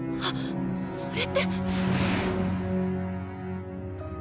それって。